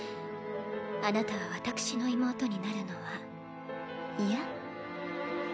あなたは私の妹になるのは嫌？